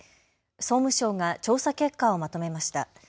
総務省が調査結果をまとめました。